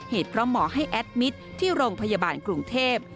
เพราะหมอให้แอดมิตรที่โรงพยาบาลกรุงเทพ